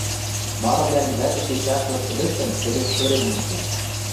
Марывлӓн вӓтӹ шишӓшлык шӹдӹштӹм тӹдӹ шӧрен мыштен.